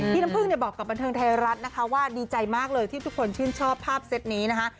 น้ำพึ่งเนี่ยบอกกับบันเทิงไทยรัฐนะคะว่าดีใจมากเลยที่ทุกคนชื่นชอบภาพเซตนี้นะคะ